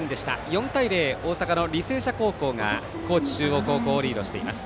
４対０、大阪の履正社高校が高知中央高校をリードしています。